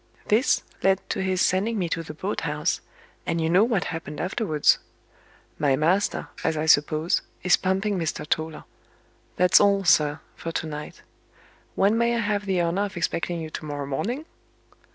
This led to his sending me to the boathouse and you know what happened afterwards. My master, as I suppose, is pumping Mr. Toller. That's all, sir, for to night. When may I have the honor of expecting you to morrow morning?"